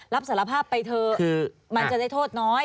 รับสารภาพไปเถอะมันจะได้โทษน้อย